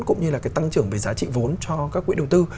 cũng như là cái tăng trưởng về giá trị vốn cho các quỹ đầu tư